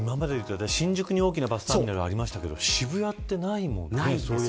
新宿に大きなバスターミナルありましたけど渋谷ってないもんね。